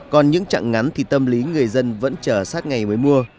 còn những chặng ngắn thì tâm lý người dân vẫn chờ sát ngày mới mua